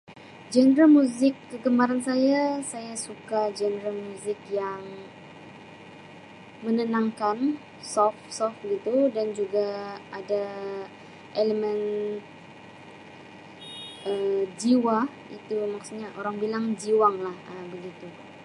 Genre muzik kegemaran saya saya suka genre muzik yang menenangkan soft-soft begitu dan juga Ada elemen elemen Jiwa itu maksudnya orang bilang jiwang lah Um begitu.